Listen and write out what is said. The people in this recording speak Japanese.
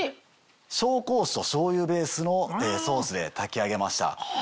紹興酒と醤油ベースのソースで炊き上げました。